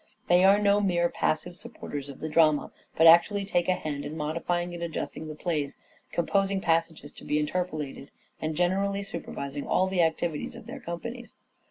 They are no mere passive supporters of the drama, but actually take a hand in modifying and adjusting the plays, composing passages to be interpolated, and generally supervising all the activities of their companies.